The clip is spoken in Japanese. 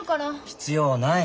必要ない。